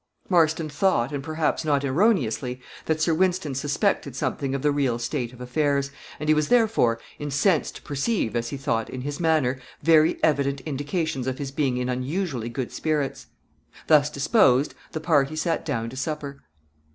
Marston thought, and, perhaps, not erroneously, that Sir Wynston suspected something of the real state of affairs, and he was, therefore, incensed to perceive, as he thought, in his manner, very evident indications of his being in unusually good spirits. Thus disposed, the party sat down to supper.